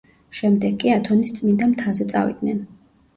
შემდეგ კი ათონის წმიდა მთაზე წავიდნენ.